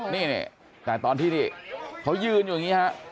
นี่แต่ตอนที่นี่เขายืนอยู่อย่างนี้ฮะ